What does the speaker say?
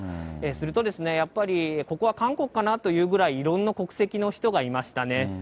すると、やっぱりここは韓国かなというぐらい、いろんな国籍の人がいましたね。